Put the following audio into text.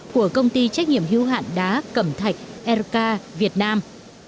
của công ty trách nhiệm hưu hạn đá cẩm thạch erka việt nam